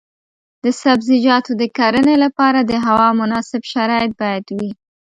د سبزیجاتو د کرنې لپاره د هوا مناسب شرایط باید وي.